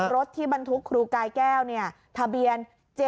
รถที่บรรทุกครูกายแก้วทะเบียน๗๗